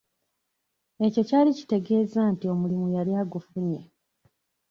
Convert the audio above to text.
Ekyo kyali kitegeeza nti omulimu yali agufunye.